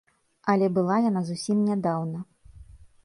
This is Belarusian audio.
Але была яна зусім нядаўна.